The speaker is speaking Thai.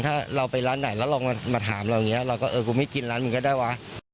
ถ้าเราไปร้านไหนแล้วลองมาถามเราอย่างนี้เราก็เออกูไม่กินร้านมึงก็ได้วะ